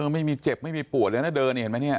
ไม่มีเจ็บไม่มีปวดเลยนะเดินนี่เห็นไหมเนี่ย